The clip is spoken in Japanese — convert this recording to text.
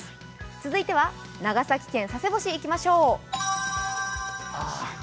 続いては長崎県佐世保市へ行きましょう。